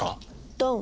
ドン。